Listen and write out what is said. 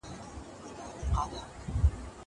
زه مخکي مېوې راټولې کړي وې!!